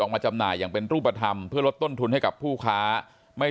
มาจำหน่ายอย่างเป็นรูปธรรมเพื่อลดต้นทุนให้กับผู้ค้าไม่